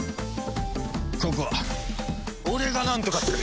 ここは俺がなんとかする。